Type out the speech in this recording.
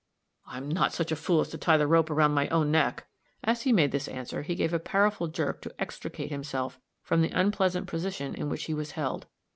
"I'm not such a fool as to tie the rope around my own neck." As he made this answer, he gave a powerful jerk to extricate himself from the unpleasant position in which he was held.